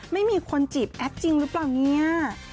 ไม่มีคนจีบแอปจริงหรือเปล่าเนี่ย